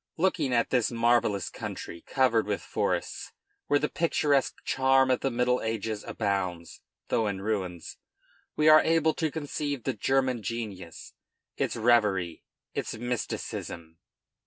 Looking at this marvellous country, covered with forests, where the picturesque charm of the middle ages abounds, though in ruins, we are able to conceive the German genius, its reverie, its mysticism.